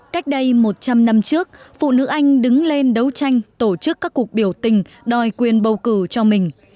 cách đây một trăm linh năm trước phụ nữ anh đứng lên đấu tranh tổ chức các cuộc biểu tình đòi quyền bầu cử cho mình